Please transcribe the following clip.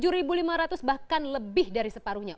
rp tujuh lima ratus bahkan lebih dari separuhnya